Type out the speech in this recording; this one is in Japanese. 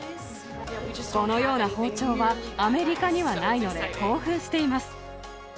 このような包丁は、アメリカにはないので興奮しています。